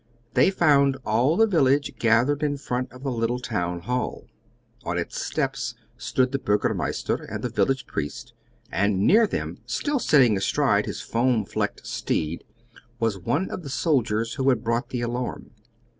They found all the village gathered in front of the little town hall. On its steps stood the Burgomeister and the village priest, and near them, still sitting astride his foam flecked steed, was one of the soldiers who had brought the alarm.